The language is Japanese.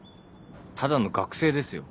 ただの学生ですよ。